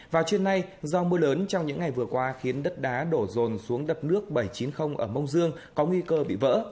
vào trưa nay do mưa lớn trong những ngày vừa qua khiến đất đá đổ rồn xuống đập nước bảy trăm chín mươi ở mông dương có nguy cơ bị vỡ